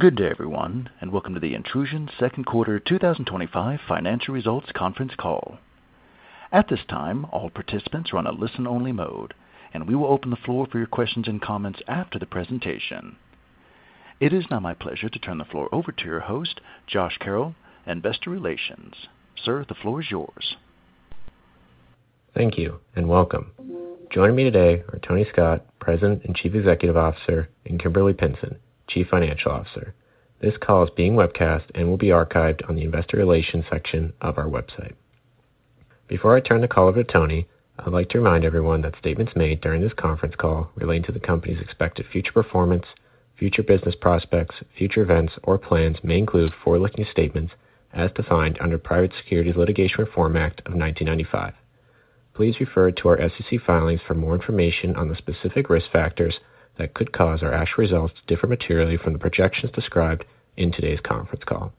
Good day, everyone, and welcome to the Intrusion Second Quarter 2025 Financial Results Conference Call. At this time, all participants are on a listen-only mode, and we will open the floor for your questions and comments after the presentation. It is now my pleasure to turn the floor over to your host, Josh Carroll, Investor Relations, sir, the floor is yours. Thank you and welcome. Joining me today are Tony Scott, President and Chief Executive Officer, and Kimberly Pinson, Chief Financial Officer. This call is being webcast and will be archived on the investor relations section of our website. Before I turn the call over to Tony, I'd like to remind everyone that statements made during this conference call relating to the company's expected future performance, future business prospects, future events, or plans may include forward-looking statements as defined under the Private Securities Litigation Reform Act of 1995. Please refer to our SEC filings for more information on the specific risk factors that could cause our actual results to differ materially from the projections described in today's conference call.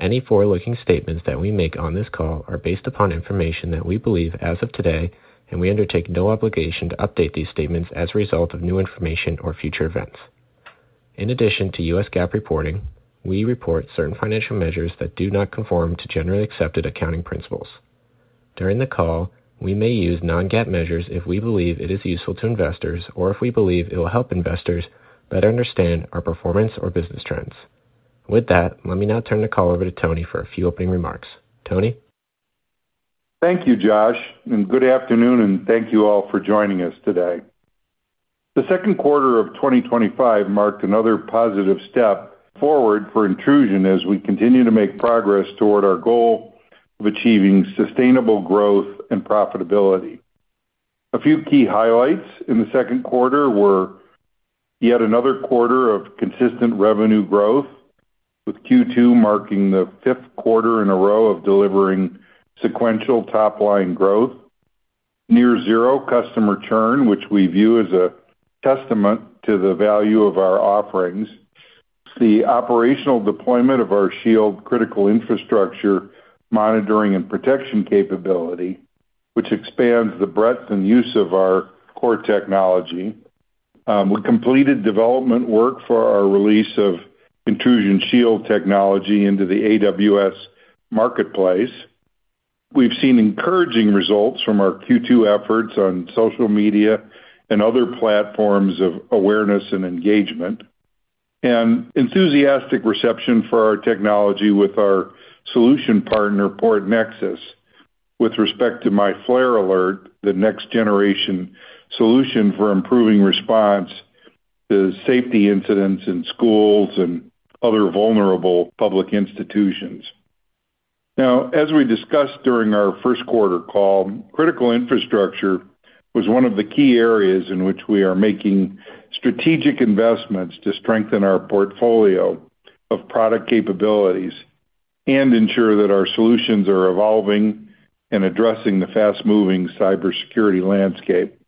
Any forward-looking statements that we make on this call are based upon information that we believe as of today, and we undertake no obligation to update these statements as a result of new information or future events. In addition to U.S. GAAP reporting, we report certain financial measures that do not conform to generally accepted accounting principles. During the call, we may use non-GAAP measures if we believe it is useful to investors or if we believe it will help investors better understand our performance or business trends. With that, let me now turn the call over to Tony for a few opening remarks. Tony? Thank you, Josh, and good afternoon, and thank you all for joining us today. The second quarter of 2025 marked another positive step forward for Intrusion Inc. as we continue to make progress toward our goal of achieving sustainable growth and profitability. A few key highlights in the second quarter were yet another quarter of consistent revenue growth, with Q2 marking the fifth quarter in a row of delivering sequential top-line growth, near zero customer churn, which we view as a testament to the value of our offerings. The operational deployment of our Shield critical infrastructure monitoring and protection capability expands the breadth and use of our core technology. We completed development work for our release of Intrusion Shield technology into the AWS Marketplace. We've seen encouraging results from our Q2 efforts on social media and other platforms of awareness and engagement, and enthusiastic reception for our technology with our solution partner, PortNexus, with respect to MyFlare Alert, the next-generation solution for improving response to safety incidents in schools and other vulnerable public institutions. Now, as we discussed during our first quarter call, critical infrastructure was one of the key areas in which we are making strategic investments to strengthen our portfolio of product capabilities and ensure that our solutions are evolving and addressing the fast-moving cybersecurity landscape.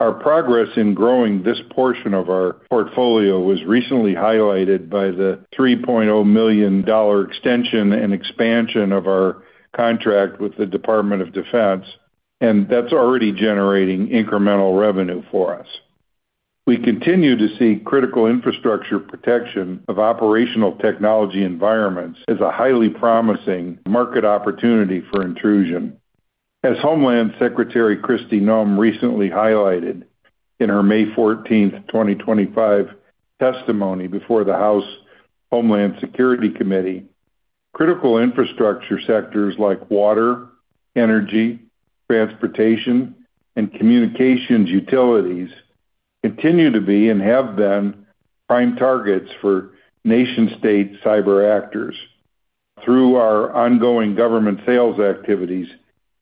Our progress in growing this portion of our portfolio was recently highlighted by the $3.0 million extension and expansion of our contract with the Department of Defense, and that's already generating incremental revenue for us. We continue to see critical infrastructure protection of operational technology environments as a highly promising market opportunity for Intrusion. As Homeland Secretary Kristi Noem recently highlighted in her May 14th, 2025 testimony before the House Homeland Security Committee, critical infrastructure sectors like water, energy, transportation, and communications utilities continue to be and have been prime targets for nation-state cyber actors. Through our ongoing government sales activities,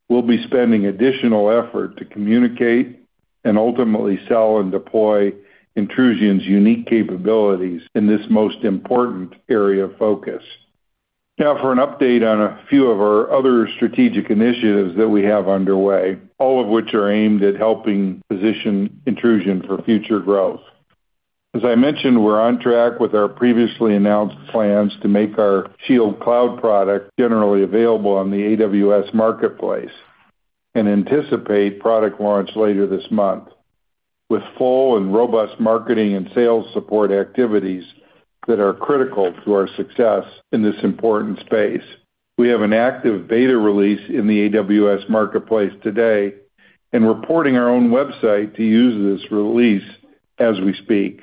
we'll be spending additional effort to communicate and ultimately sell and deploy Intrusion's unique capabilities in this most important area of focus. Now, for an update on a few of our other strategic initiatives that we have underway, all of which are aimed at helping position Intrusion for future growth. As I mentioned, we're on track with our previously announced plans to make our Shield Cloud product generally available on the AWS Marketplace and anticipate product launch later this month, with full and robust marketing and sales support activities that are critical to our success in this important space. We have an active beta release in the AWS Marketplace today and reporting our own website to use this release as we speak.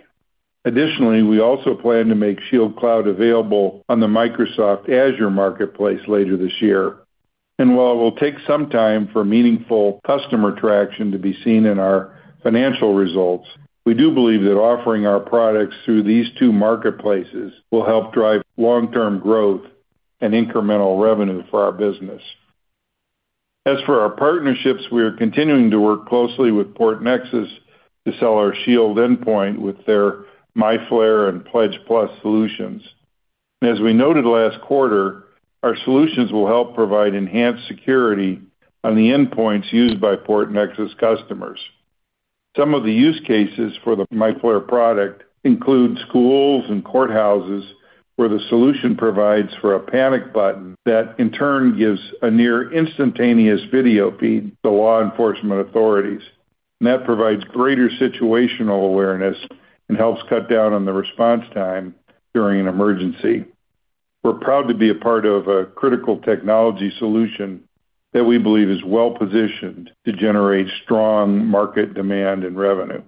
Additionally, we also plan to make Shield Cloud available on the Microsoft Azure Marketplace later this year. While it will take some time for meaningful customer traction to be seen in our financial results, we do believe that offering our products through these two marketplaces will help drive long-term growth and incremental revenue for our business. As for our partnerships, we are continuing to work closely with PortNexus to sell our Shield Endpoint with their MyFlare and PLEDGE+ solutions. As we noted last quarter, our solutions will help provide enhanced security on the Endpoint used by PortNexus customers. Some of the use cases for the MyFlare product include schools and courthouses where the solution provides for a panic button that in turn gives a near-instantaneous video feed to law enforcement authorities. That provides greater situational awareness and helps cut down on the response time during an emergency. We're proud to be a part of a critical technology solution that we believe is well-positioned to generate strong market demand and revenue.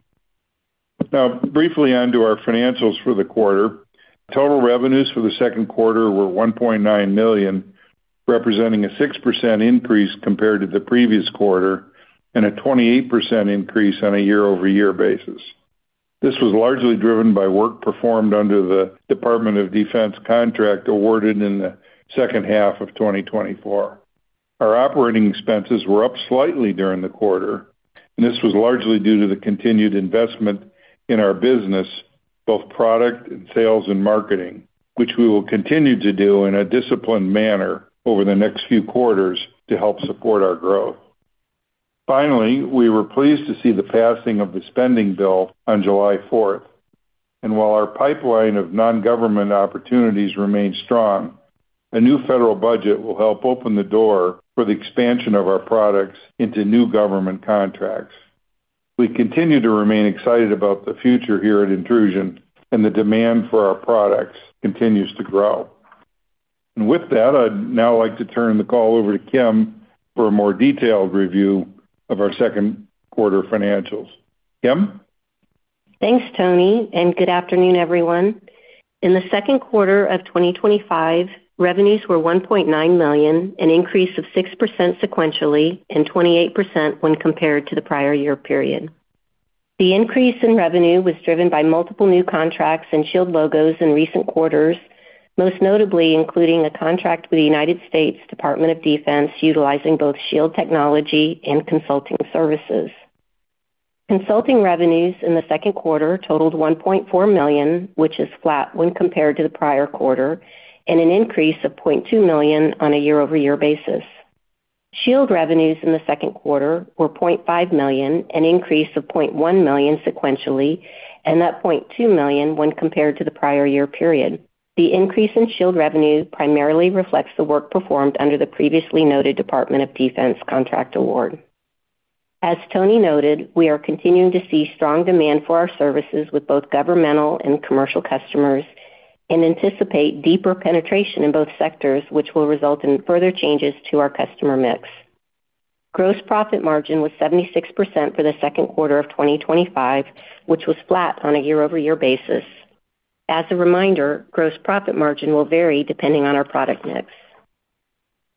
Now, briefly onto our financials for the quarter, total revenues for the second quarter were $1.9 million, representing a 6% increase compared to the previous quarter and a 28% increase on a year-over-year basis. This was largely driven by work performed under the Department of Defense contract awarded in the second half of 2024. Our operating expenses were up slightly during the quarter, and this was largely due to the continued investment in our business, both product and sales and marketing, which we will continue to do in a disciplined manner over the next few quarters to help support our growth. Finally, we were pleased to see the passing of the spending bill on July 4th, and while our pipeline of non-government opportunities remains strong, a new federal budget will help open the door for the expansion of our products into new government contracts. We continue to remain excited about the future here at Intrusion, and the demand for our products continues to grow. With that, I'd now like to turn the call over to Kim for a more detailed review of our second quarter financials. Kim? Thanks, Tony, and good afternoon, everyone. In the second quarter of 2025, revenues were $1.9 million, an increase of 6% sequentially and 28% when compared to the prior year period. The increase in revenue was driven by multiple new contracts and Shield logos in recent quarters, most notably including a contract with the United States Department of Defense utilizing both Shield technology and consulting services. Consulting revenues in the second quarter totaled $1.4 million, which is flat when compared to the prior quarter, and an increase of $0.2 million on a year-over-year basis. Shield revenues in the second quarter were $0.5 million, an increase of $0.1 million sequentially, and up $0.2 million when compared to the prior year period. The increase in Shield revenue primarily reflects the work performed under the previously noted Department of Defense contract award. As Tony noted, we are continuing to see strong demand for our services with both governmental and commercial customers and anticipate deeper penetration in both sectors, which will result in further changes to our customer mix. Gross profit margin was 76% for the second quarter of 2025, which was flat on a year-over-year basis. As a reminder, gross profit margin will vary depending on our product mix.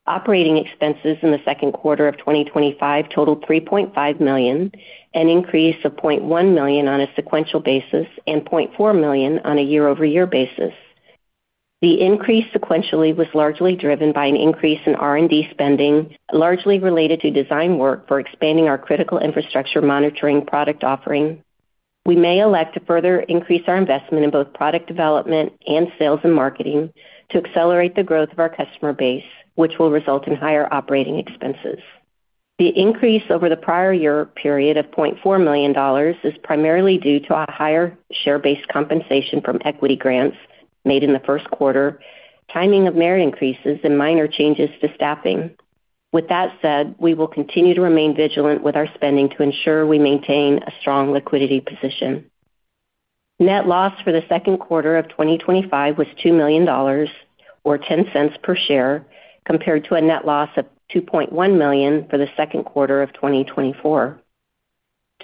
Operating expenses in the second quarter of 2025 totaled $3.5 million, an increase of $0.1 million on a sequential basis, and $0.4 million on a year-over-year basis. The increase sequentially was largely driven by an increase in R&D spending, largely related to design work for expanding our critical infrastructure monitoring product offering. We may elect to further increase our investment in both product development and sales and marketing to accelerate the growth of our customer base, which will result in higher operating expenses. The increase over the prior year period of $0.4 million is primarily due to a higher share-based compensation from equity grants made in the first quarter, timing of merit increases, and minor changes to staffing. With that said, we will continue to remain vigilant with our spending to ensure we maintain a strong liquidity position. Net loss for the second quarter of 2025 was $2 million, or $0.10 per share, compared to a net loss of $2.1 million for the second quarter of 2024.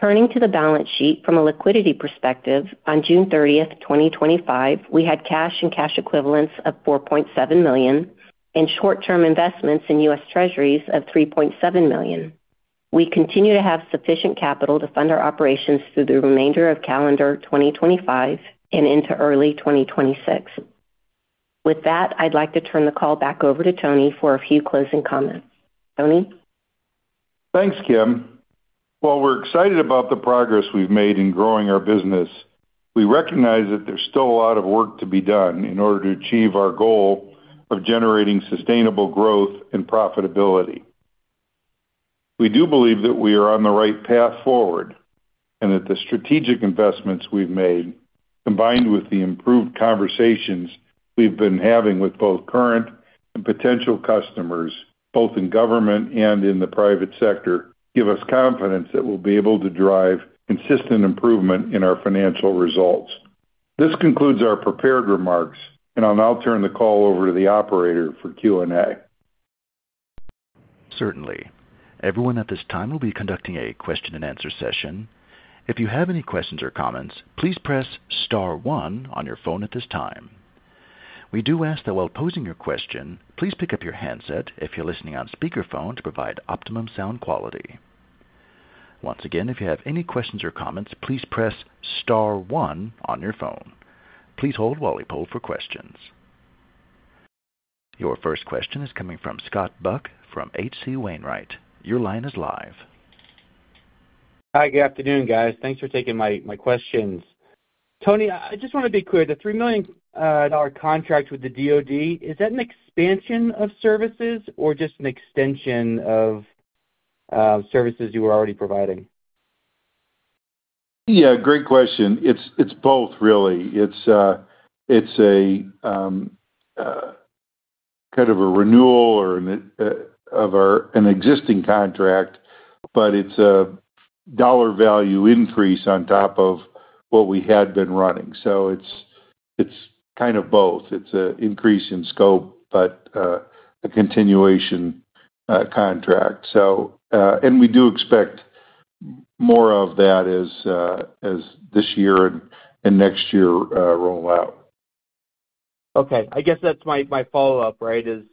Turning to the balance sheet from a liquidity perspective, on June 30th, 2025, we had cash and cash equivalents of $4.7 million and short-term investments in U.S. Treasuries of $3.7 million. We continue to have sufficient capital to fund our operations through the remainder of calendar 2025 and into early 2026. With that, I'd like to turn the call back over to Tony for a few closing comments. Tony? Thanks, Kim. While we're excited about the progress we've made in growing our business, we recognize that there's still a lot of work to be done in order to achieve our goal of generating sustainable growth and profitability. We do believe that we are on the right path forward and that the strategic investments we've made, combined with the improved conversations we've been having with both current and potential customers, both in government and in the private sector, give us confidence that we'll be able to drive consistent improvement in our financial results. This concludes our prepared remarks, and I'll now turn the call over to the operator for Q&A. Certainly. Everyone, at this time we will be conducting a question and answer session. If you have any questions or comments, please press star one on your phone at this time. We do ask that while posing your question, please pick up your handset if you're listening on speakerphone to provide optimum sound quality. Once again, if you have any questions or comments, please press star one on your phone. Please hold while we poll for questions. Your first question is coming from Scott Buck from H.C. Wainwright. Your line is live. Hi, good afternoon, guys. Thanks for taking my questions. Tony, I just want to be clear, the $3 million contract with the DoD, is that an expansion of services or just an extension of services you were already providing? Yeah, great question. It's both, really. It's a kind of a renewal or an existing contract, but it's $1 value increase on top of what we had been running. It's kind of both. It's an increase in scope, but a continuation contract. We do expect more of that as this year and next year roll out. Okay. I guess that's my follow-up, right? You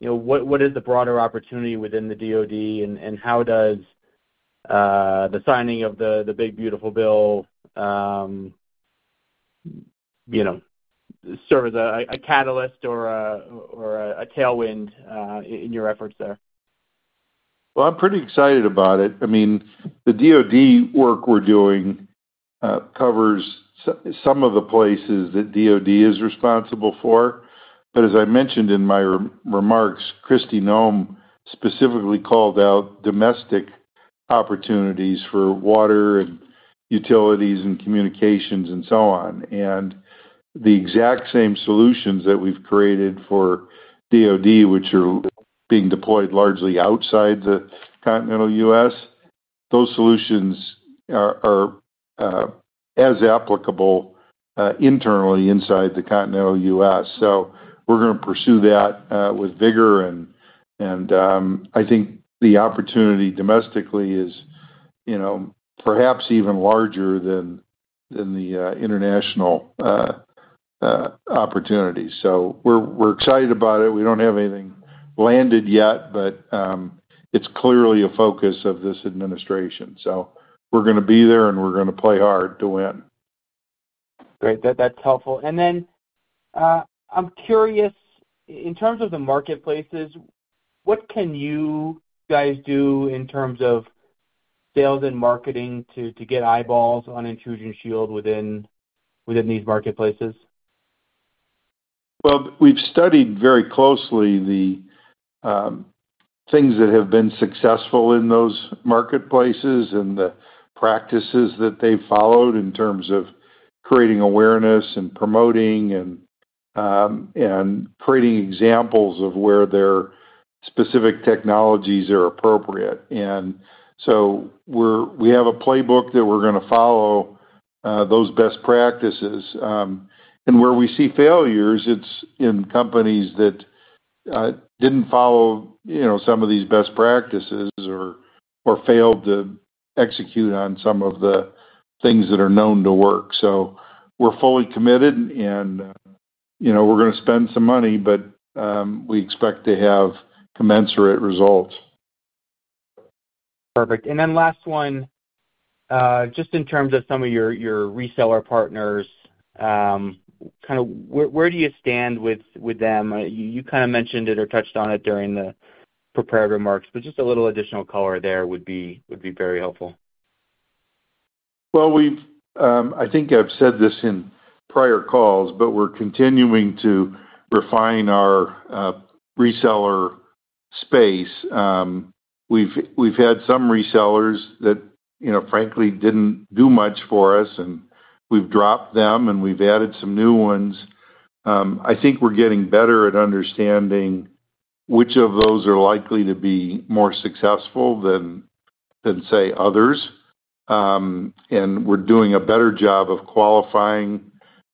know, what is the broader opportunity within the DoD, and how does the signing of the big beautiful bill serve as a catalyst or a tailwind in your efforts there? I'm pretty excited about it. The DoD work we're doing covers some of the places that the DoD is responsible for. As I mentioned in my remarks, Kristi Noem specifically called out domestic opportunities for water and utilities and communications and so on. The exact same solutions that we've created for the DoD, which are being deployed largely outside the continental U.S., are as applicable internally inside the continental U.S. We're going to pursue that with vigor, and I think the opportunity domestically is, you know, perhaps even larger than the international opportunities. We're excited about it. We don't have anything landed yet, but it's clearly a focus of this administration. We're going to be there, and we're going to play hard to win. Great. That's helpful. I'm curious, in terms of the marketplaces, what can you guys do in terms of sales and marketing to get eyeballs on Intrusion Shield within these marketplaces? We have studied very closely the things that have been successful in those marketplaces and the practices that they've followed in terms of creating awareness and promoting and creating examples of where their specific technologies are appropriate. We have a playbook that we're going to follow, those best practices. Where we see failures, it's in companies that didn't follow some of these best practices or failed to execute on some of the things that are known to work. We are fully committed, and we're going to spend some money, but we expect to have commensurate results. Perfect. Last one, just in terms of some of your reseller partners, where do you stand with them? You mentioned it or touched on it during the prepared remarks, but a little additional color there would be very helpful. I think I've said this in prior calls, but we're continuing to refine our reseller space. We've had some resellers that, you know, frankly didn't do much for us, and we've dropped them, and we've added some new ones. I think we're getting better at understanding which of those are likely to be more successful than, say, others. We're doing a better job of qualifying,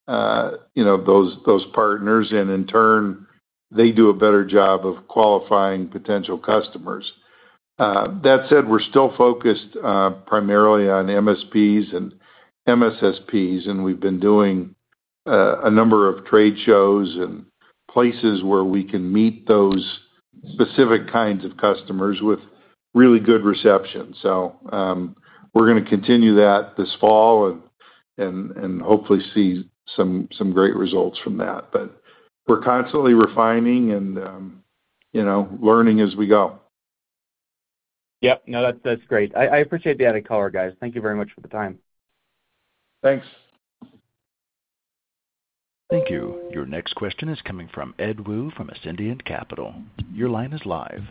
you know, those partners, and in turn, they do a better job of qualifying potential customers. That said, we're still focused primarily on MSPs and MSSPs, and we've been doing a number of trade shows and places where we can meet those specific kinds of customers with really good reception. We're going to continue that this fall and hopefully see some great results from that. We're constantly refining and, you know, learning as we go. Yep. No, that's great. I appreciate the added color, guys. Thank you very much for the time. Thanks. Thank you. Your next question is coming from Ed Woo from Ascendiant Capital. Your line is live.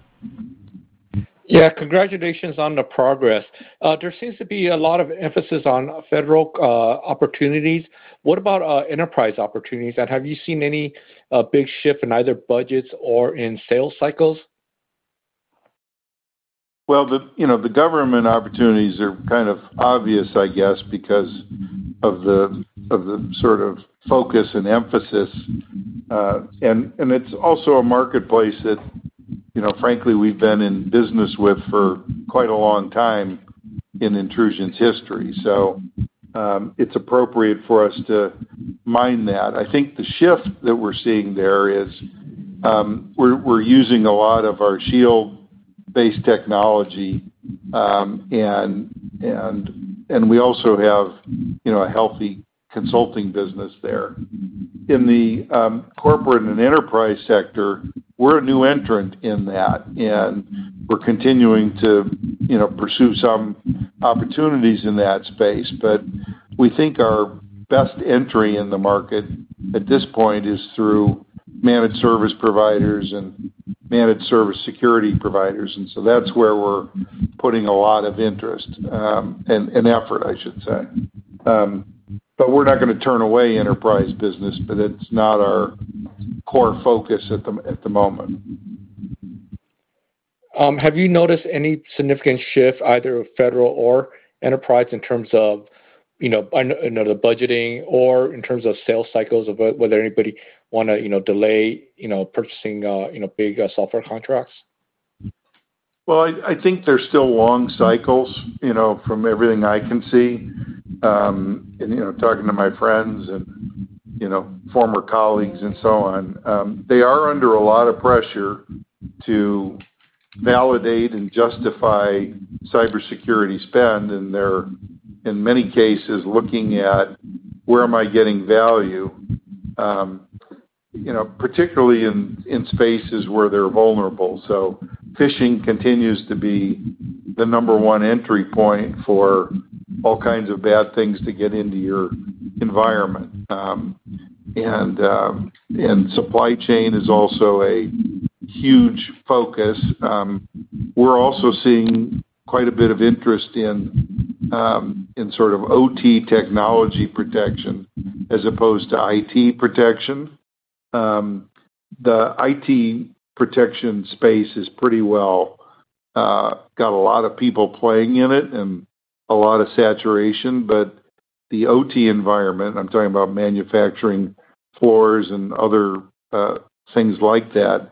Yeah, congratulations on the progress. There seems to be a lot of emphasis on federal opportunities. What about enterprise opportunities? Have you seen any big shift in either budgets or in sales cycles? The government opportunities are kind of obvious, I guess, because of the sort of focus and emphasis. It's also a marketplace that, frankly, we've been in business with for quite a long time in Intrusion's history. It's appropriate for us to mine that. I think the shift that we're seeing there is we're using a lot of our Shield-based technology, and we also have a healthy consulting business there. In the corporate and enterprise sector, we're a new entrant in that, and we're continuing to pursue some opportunities in that space. We think our best entry in the market at this point is through managed service providers and managed service security providers. That's where we're putting a lot of interest and effort, I should say. We're not going to turn away enterprise business, but it's not our core focus at the moment. Have you noticed any significant shift, either federal or enterprise, in terms of, you know, the budgeting or in terms of sales cycles of whether anybody want to delay purchasing big software contracts? I think they're still long cycles, you know, from everything I can see. Talking to my friends and former colleagues and so on, they are under a lot of pressure to validate and justify cybersecurity spend. They're, in many cases, looking at where am I getting value, particularly in spaces where they're vulnerable. Phishing continues to be the number one entry point for all kinds of bad things to get into your environment. Supply chain is also a huge focus. We're also seeing quite a bit of interest in sort of OT technology protection as opposed to IT protection. The IT protection space has pretty well got a lot of people playing in it and a lot of saturation. The OT environment, I'm talking about manufacturing floors and other things like that,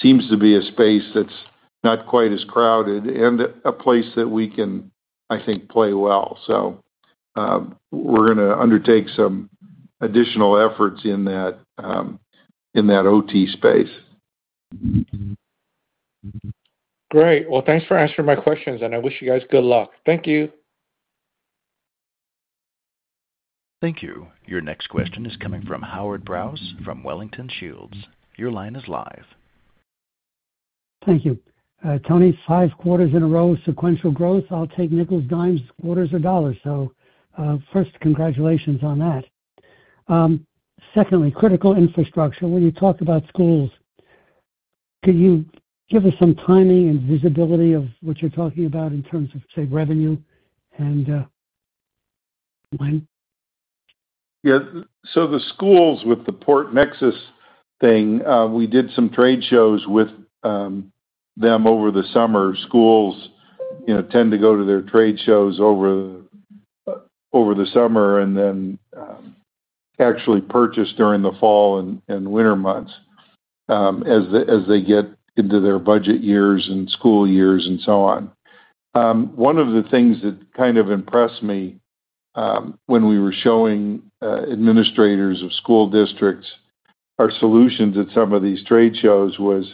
seems to be a space that's not quite as crowded and a place that we can, I think, play well. We're going to undertake some additional efforts in that OT space. Great. Thank you for answering my questions. I wish you guys good luck. Thank you. Thank you. Your next question is coming from Howard Brous from Wellington Shields. Your line is live. Thank you. Tony, five quarters in a row of sequential growth. I'll take nickels, dimes, quarters, or dollars. First, congratulations on that. Secondly, critical infrastructure. When you talk about schools, could you give us some timing and visibility of what you're talking about in terms of, say, revenue and when? Yeah. The schools with the PortNexus thing, we did some trade shows with them over the summer. Schools tend to go to their trade shows over the summer and then actually purchase during the fall and winter months as they get into their budget years and school years and so on. One of the things that kind of impressed me when we were showing administrators of school districts our solutions at some of these trade shows was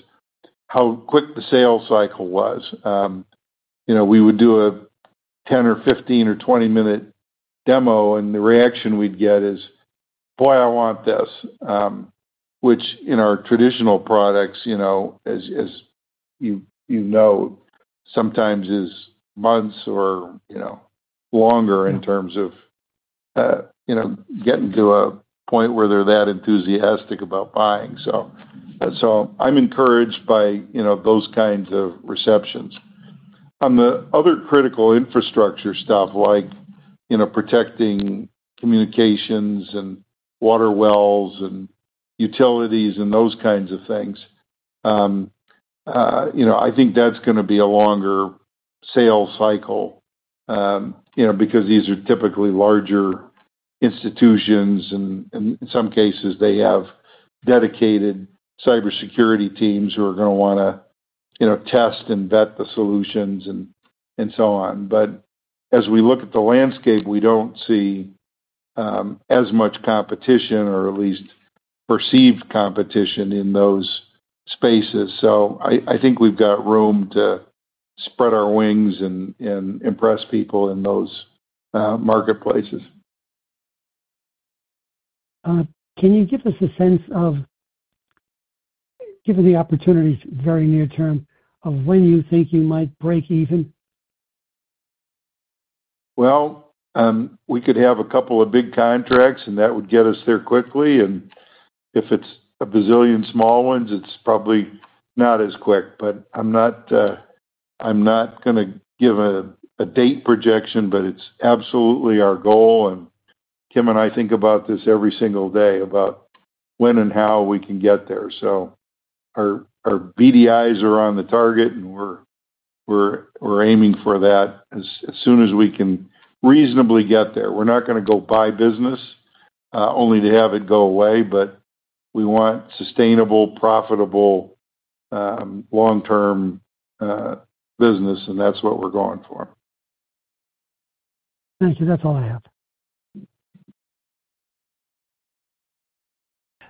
how quick the sales cycle was. We would do a 10- or 15- or 20-minute demo, and the reaction we'd get is, "Boy, I want this," which in our traditional products, as you know, sometimes is months or longer in terms of getting to a point where they're that enthusiastic about buying. I'm encouraged by those kinds of receptions. On the other critical infrastructure stuff, like protecting communications and water wells and utilities and those kinds of things, I think that's going to be a longer sales cycle because these are typically larger institutions. In some cases, they have dedicated cybersecurity teams who are going to want to test and vet the solutions and so on. As we look at the landscape, we don't see as much competition or at least perceived competition in those spaces. I think we've got room to spread our wings and impress people in those marketplaces. Can you give us a sense of, given the opportunities very near term, when you think you might break even? We could have a couple of big contracts, and that would get us there quickly. If it's a bazillion small ones, it's probably not as quick. I'm not going to give a date projection, but it's absolutely our goal. Kim and I think about this every single day, about when and how we can get there. Our BDIs are on the target, and we're aiming for that as soon as we can reasonably get there. We're not going to go buy business only to have it go away, but we want sustainable, profitable, long-term business, and that's what we're going for. Thank you. That's all I have.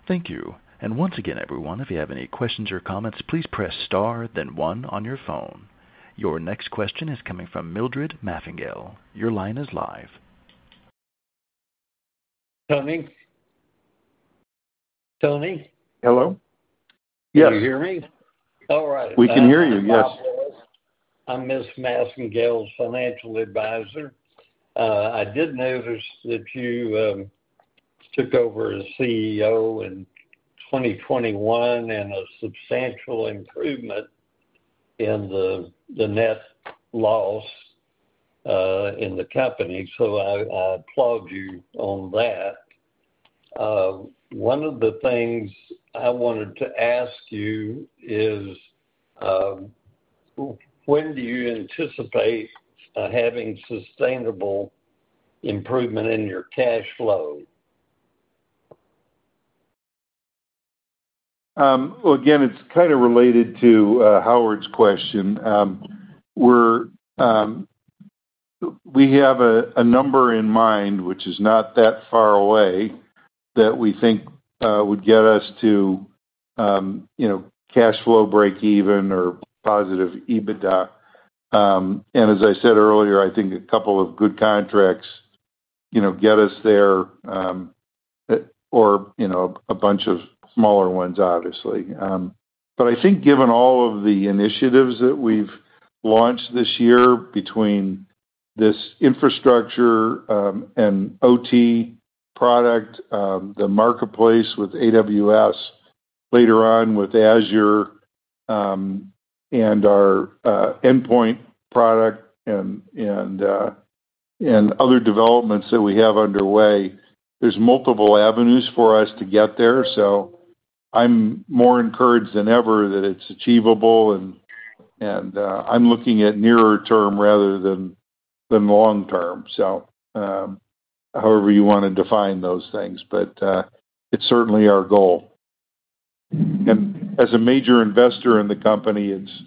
Thank you. Once again, everyone, if you have any questions or comments, please press star, then one on your phone. Your next question is coming from Mildred Massingale. Your line is live. Tony. Hello. Yes. Can you hear me? All right. We can hear you. Yes. I'm Mills Massingale, Financial Advisor. I did notice that you took over as CEO in 2021 and a substantial improvement in the net loss in the company. I applaud you on that. One of the things I wanted to ask you is, when do you anticipate having sustainable improvement in your cash flow? It's kind of related to Howard's question. We have a number in mind, which is not that far away, that we think would get us to, you know, cash flow break even or positive EBITDA. As I said earlier, I think a couple of good contracts, you know, get us there, or, you know, a bunch of smaller ones, obviously. I think given all of the initiatives that we've launched this year between this infrastructure and OT product, the marketplace with AWS, later on with Azure, and our endpoint product, and other developments that we have underway, there's multiple avenues for us to get there. I'm more encouraged than ever that it's achievable, and I'm looking at nearer term rather than long term, however you want to define those things. It's certainly our goal. As a major investor in the company, it's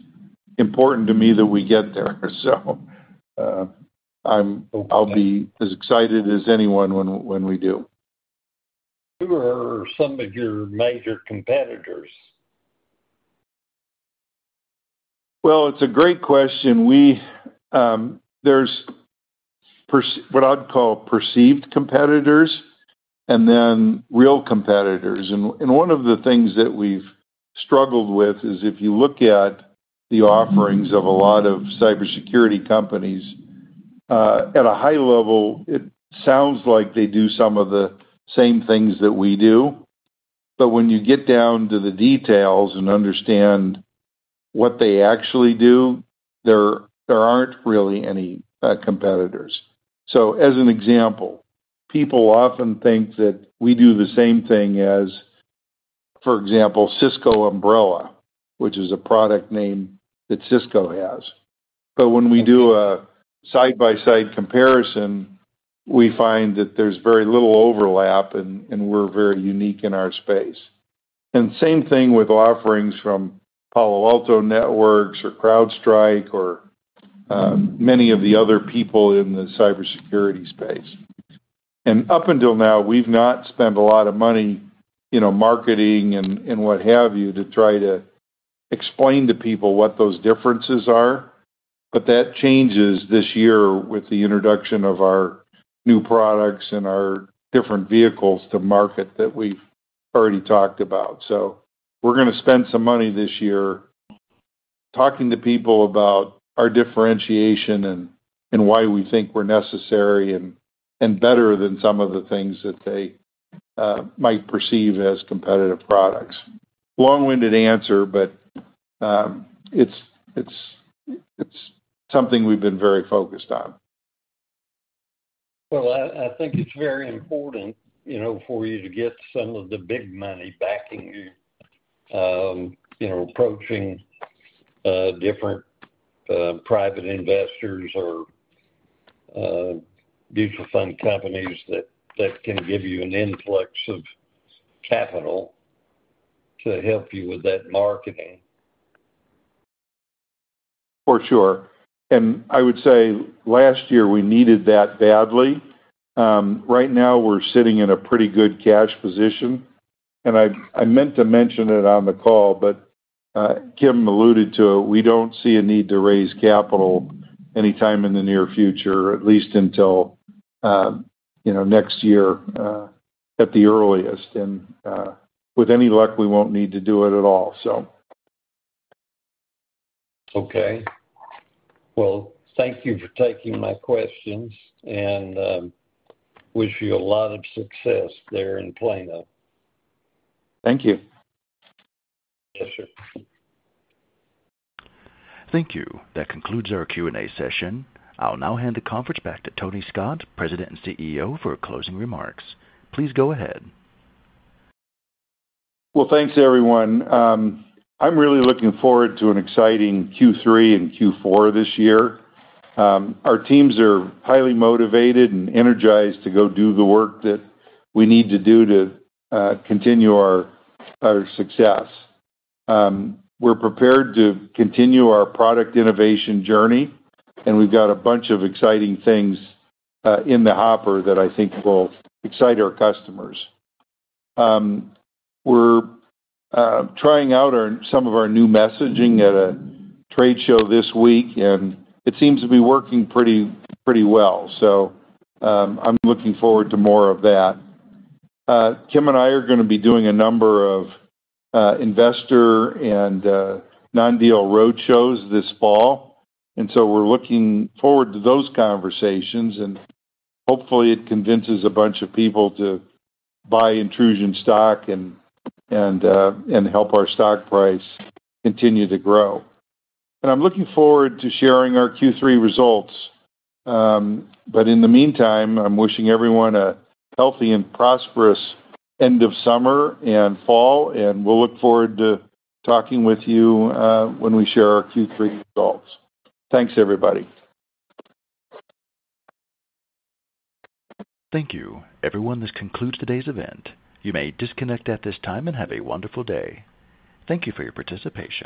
important to me that we get there. I'll be as excited as anyone when we do. Who are some of your major competitors? That's a great question. There are what I'd call perceived competitors and then real competitors. One of the things that we've struggled with is if you look at the offerings of a lot of cybersecurity companies, at a high level, it sounds like they do some of the same things that we do. When you get down to the details and understand what they actually do, there aren't really any competitors. For example, people often think that we do the same thing as Cisco Umbrella, which is a product name that Cisco has. When we do a side-by-side comparison, we find that there's very little overlap, and we're very unique in our space. The same thing applies with offerings from Palo Alto Networks or CrowdStrike or many of the other people in the cybersecurity space. Up until now, we've not spent a lot of money marketing and what have you to try to explain to people what those differences are. That changes this year with the introduction of our new products and our different vehicles to market that we've already talked about. We're going to spend some money this year talking to people about our differentiation and why we think we're necessary and better than some of the things that they might perceive as competitive products. Long-winded answer, but it's something we've been very focused on. I think it's very important, you know, for you to get some of the big money backing you, you know, approaching different private investors or mutual fund companies that can give you an influx of capital to help you with that marketing. For sure. I would say last year we needed that badly. Right now, we're sitting in a pretty good cash position. I meant to mention it on the call, but Kim alluded to it. We don't see a need to raise capital anytime in the near future, at least until next year at the earliest. With any luck, we won't need to do it at all. Thank you for taking my questions and wish you a lot of success there in Plano. Thank you. Yes, sir. Thank you. That concludes our Q&A session. I'll now hand the conference back to Tony Scott, President and CEO, for closing remarks. Please go ahead. Thank you, everyone. I'm really looking forward to an exciting Q3 and Q4 this year. Our teams are highly motivated and energized to go do the work that we need to do to continue our success. We're prepared to continue our product innovation journey, and we've got a bunch of exciting things in the hopper that I think will excite our customers. We're trying out some of our new messaging at a trade show this week, and it seems to be working pretty, pretty well. I'm looking forward to more of that. Kim and I are going to be doing a number of investor and non-deal roadshows this fall. We're looking forward to those conversations, and hopefully, it convinces a bunch of people to buy Intrusion stock and help our stock price continue to grow. I'm looking forward to sharing our Q3 results. In the meantime, I'm wishing everyone a healthy and prosperous end of summer and fall, and we'll look forward to talking with you when we share our Q3 results. Thanks, everybody. Thank you, everyone. This concludes today's event. You may disconnect at this time and have a wonderful day. Thank you for your participation.